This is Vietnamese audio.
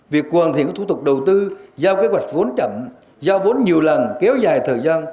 việc hoàn thiện các thủ tục đầu tư giao kế hoạch vốn chậm giao vốn nhiều lần kéo dài thời gian